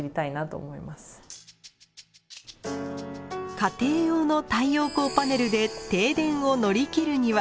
家庭用の太陽光パネルで停電を乗りきるには？